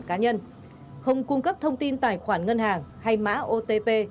tài khoản cá nhân không cung cấp thông tin tài khoản ngân hàng hay mã otp